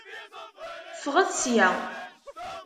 Ffɣet sya.